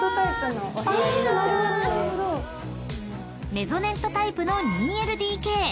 ［メゾネットタイプの２ＬＤＫ］